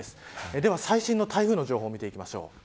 では最新の台風の情報を見ていきます。